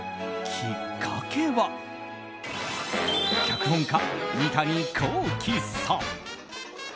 きっかけは脚本家・三谷幸喜さん。